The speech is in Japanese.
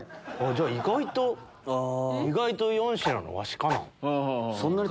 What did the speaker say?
じゃあ意外と４品のワシかな。